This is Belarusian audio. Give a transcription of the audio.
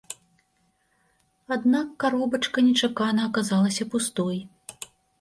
Аднак, каробачка нечакана аказалася пустой.